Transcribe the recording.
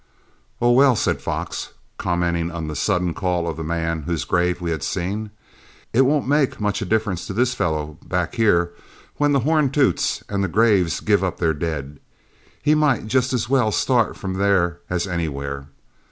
"Oh, well," said Fox, commenting on the sudden call of the man whose grave we had seen, "it won't make much difference to this fellow back here when the horn toots and the graves give up their dead. He might just as well start from there as anywhere.